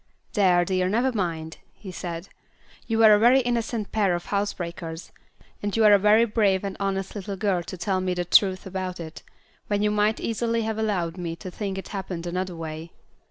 "There, dear, never mind," he said, "you were a very innocent pair of housebreakers, and you are a very brave and honest little girl to tell me the truth about it, when you might easily have allowed me to think it happened another way.